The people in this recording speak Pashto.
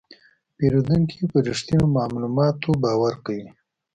پیرودونکی په رښتینو معلوماتو باور کوي.